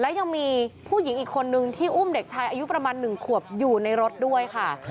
และยังมีผู้หญิงอีกคนนึงที่อุ้มเด็กชายอายุประมาณ๑ขวบอยู่ในรถด้วยค่ะ